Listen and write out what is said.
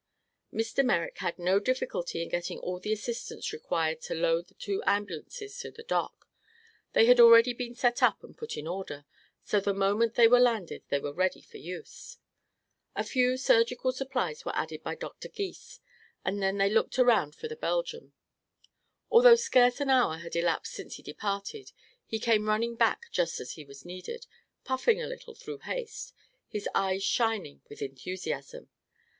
Mr. Merrick had no difficulty in getting all the assistance required to lower the two ambulances to the dock. They had already been set up and put in order, so the moment they were landed they were ready for use. A few surgical supplies were added by Dr. Gys and then they looked around for the Belgian. Although scarce an hour had elapsed since he departed, he came running back just as he was needed, puffing a little through haste, his eyes shining with enthusiasm.